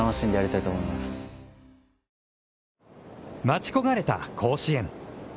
待ち焦がれた甲子園。